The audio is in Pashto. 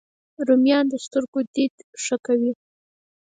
رومیان د سترګو دید ښه کوي